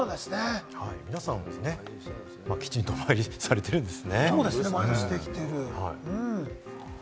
皆さん、きちんとお参りされてるんですね。